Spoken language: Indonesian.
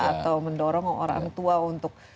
atau mendorong orang tua untuk